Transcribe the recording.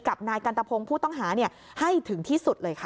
กับนายกันตะพงศ์ผู้ต้องหาให้ถึงที่สุดเลยค่ะ